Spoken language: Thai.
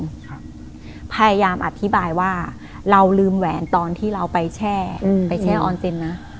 พยายามอธิบายว่าเราลืมแหวนตอนที่เราไปแช่อืมไปแช่ออนเซ็นนะ